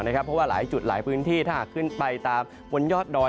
เพราะว่าหลายจุดหลายพื้นที่ถ้าหากขึ้นไปตามบนยอดดอย